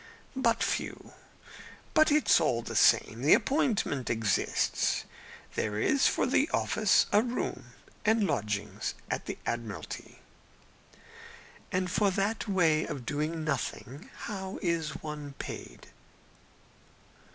"But few. But it's all the same. The appointment exists. There is for the office a room and lodgings at the Admiralty." "And for that way of doing nothing, how is one paid?"